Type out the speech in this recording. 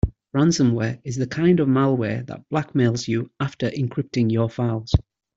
Ransomware is the kind of malware that blackmails you after encrypting your files.